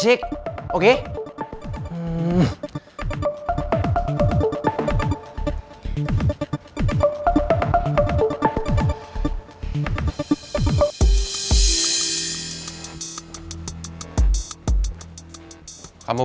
is this like barnyard